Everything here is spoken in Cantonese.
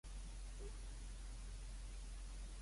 啱啱幫我搜身嗰個女仔係邊個嚟㗎？